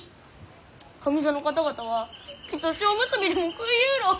上座の方々はきっと塩むすびでも食いゆうろう！